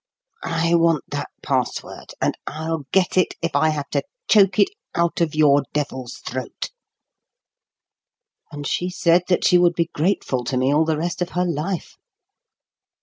"I want that password, and I'll get it, if I have to choke it out of your devil's throat! And she said that she would be grateful to me all the rest of her life!